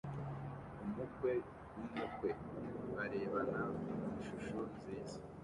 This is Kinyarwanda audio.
Umukwe n'umukwe bararebana mu ishusho nziza